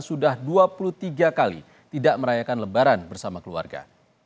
sudah dua puluh tiga kali tidak merayakan lebaran bersama keluarga